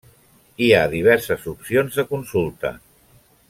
Hi ha diverses opcions de consulta.